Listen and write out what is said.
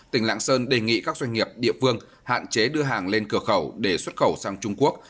tỉnh lạng sơn đề nghị các doanh nghiệp địa phương hạn chế đưa hàng lên cửa khẩu để xuất khẩu sang trung quốc